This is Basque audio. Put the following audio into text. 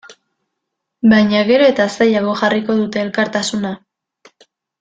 Baina gero eta zailago jarriko dute elkartasuna.